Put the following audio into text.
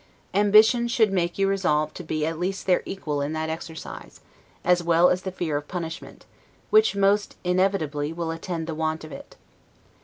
Ambition should make you resolve to be at least their equal in that exercise, as well as the fear of punishment; which most inevitably will attend the want of it.